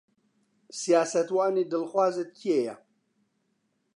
سیاسەتوانی دڵخوازت کێیە؟